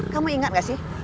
kamu ingat gak sih